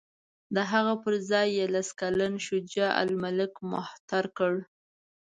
د هغه پر ځای یې لس کلن شجاع الملک مهتر کړ.